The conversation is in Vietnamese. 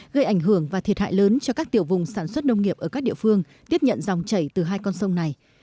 gây ảnh hưởng và thiệt hại lớn cho các tiểu vùng sản xuất nông nghiệp ở các địa phương tiếp nhận dòng chảy từ hai con sông này